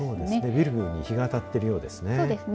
ビルに日がが当たっているようですね。